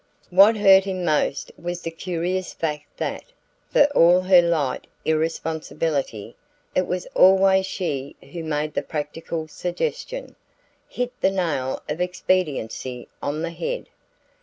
What hurt him most was the curious fact that, for all her light irresponsibility, it was always she who made the practical suggestion, hit the nail of expediency on the head.